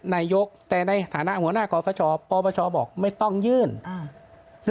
นายกแต่ในฐานะหัวหน้าคอสชปปชบอกไม่ต้องยื่นอ่า